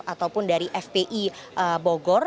ataupun dari fpi bogor